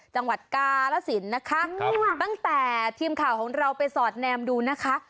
จังหวัดกาลสินนะคะตั้งแต่ทีมข่าวของเราไปสอดแนมดูนะคะ